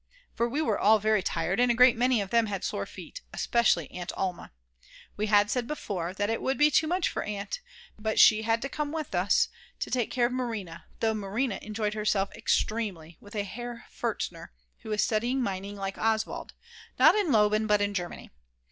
For we were all very tired, and a great many of them had sore feet, especially Aunt Alma! We had said before, that it would be too much for Aunt; but she had to come with us to take care of Marina, though Marina enjoyed herself extremely with a Herr Furtner, who is studying mining like Oswald, not in Leoben but in Germany.